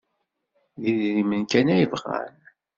D idrimen kan ay bɣan.